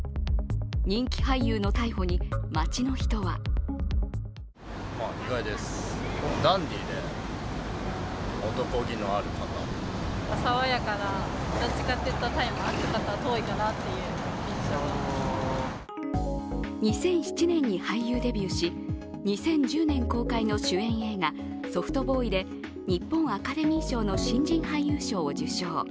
人気俳優の逮捕に、街の人は２００７年に俳優デビューし、２０１０年公開の主演映画「ソフトボーイ」で日本アカデミー賞の新人俳優賞を受賞。